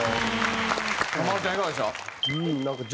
マルちゃんいかがでした？